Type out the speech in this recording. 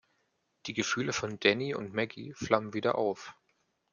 Die Gefühle von Danny und Maggie flammen wieder auf.